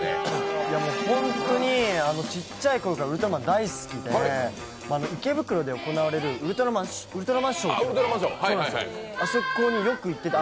本当にちっちゃいころからウルトラマン大好きで池袋で行われるウルトラマンショー、あそこによく行ってた。